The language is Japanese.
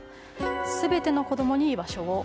全ての子供に居場所を。